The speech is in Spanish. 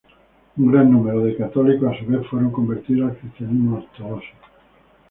Un gran número de católicos a su vez fue convertido al cristianismo ortodoxo.